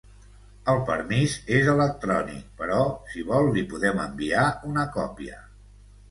El permís és electrònic però si vol li podem enviar una còpia.